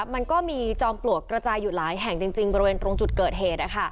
มันก็มีจอมปลวกกระจายอยู่หลายแห่งจริงบริเวณตรงจุดเกิดเหตุ